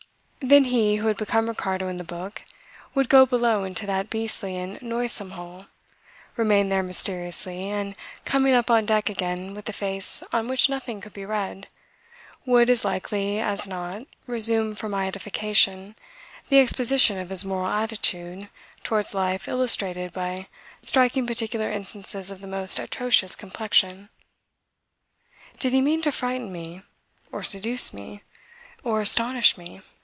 Then he who had become Ricardo in the book would go below into that beastly and noisome hole, remain there mysteriously, and coming up on deck again with a face on which nothing could be read, would as likely as not resume for my edification the exposition of his moral attitude towards life illustrated by striking particular instances of the most atrocious complexion. Did he mean to frighten me? Or seduce me? Or astonish me?